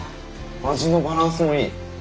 味のバランスもいい。